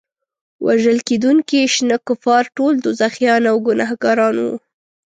وژل کېدونکي شنه کفار ټول دوزخیان او ګناهګاران وو.